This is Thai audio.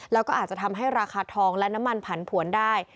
แล้วก็อาจจะทำให้ราคาทองและน้ำมันผันผวนได้